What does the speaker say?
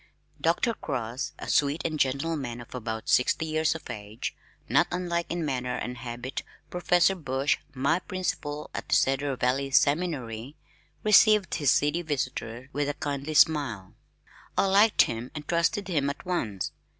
Dr. Cross, a sweet and gentle man of about sixty years of age (not unlike in manner and habit Professor Bush, my principal at the Cedar Valley Seminary) received his seedy visitor with a kindly smile. I liked him and trusted him at once.